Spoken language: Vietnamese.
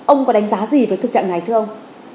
ông có đánh giá gì về thực trạng này thưa ông